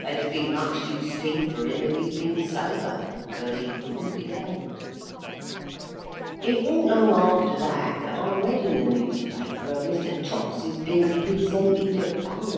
They'd have been much too steep for him, if he had been sober; but he wouldn't be helped. It warn't long after that, that I read in the newspaper of Mr. Chops's being presented at court.